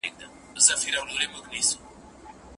سرې منګولي به زینت وي، څېرول به عدالت وي.